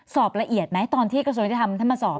สอบละเอียดไหมตอนที่กระทรวงยุทธรรมท่านมาสอบ